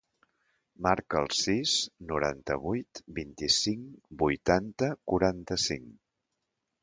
Marca el sis, noranta-vuit, vint-i-cinc, vuitanta, quaranta-cinc.